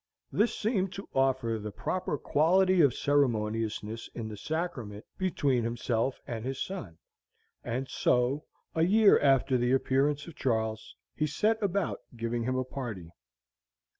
This seemed to offer the proper quality of ceremoniousness in the sacrament between himself and his son; and so, a year after the appearance of Charles, he set about giving him a party.